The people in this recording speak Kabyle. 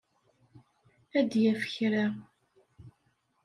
Ad d-yaf kra.